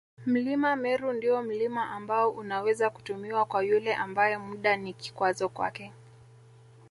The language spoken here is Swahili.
Mlima Meru ndio mlima ambao unaweza kutumiwa kwa yule ambae muda ni kikwazo kwake